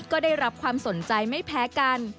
ก็ได้รับความสนใจไม่แพ้กัน